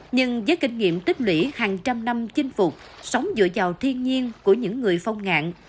nhưng với kinh nghiệm tích lũy hàng trăm năm chinh phục sống dựa vào thiên nhiên của những người phong ngạn